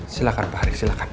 silahkan pak rizky silahkan